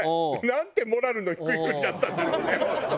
なんてモラルの低い国だったんだろうね本当。